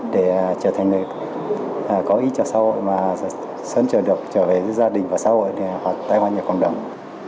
để trở thành người có ý cho xã hội và sớm trở về gia đình và xã hội hoặc tại quan hệ cộng đồng